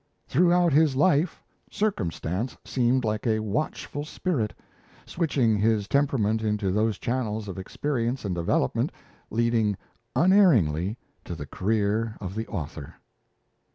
Throughout his life, circumstance seemed like a watchful spirit, switching his temperament into those channels of experience and development leading unerringly to the career of the author.